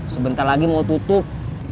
sebentar lagi mau tutup